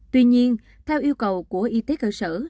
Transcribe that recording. tuy nhiên theo yêu cầu của y tế cơ sở